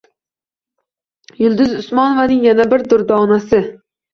Yulduz Usmonovaning yana bir "durdonasi"